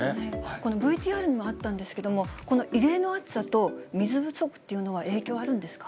このＶＴＲにもあったんですが、この異例の暑さと水不足っていうのは影響あるんですか。